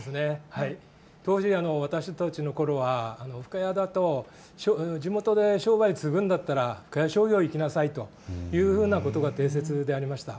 当時、私たちのころは深谷だと地元で商売を継ぐんだったら深谷商業に行きなさいというふうなことが定説でありました。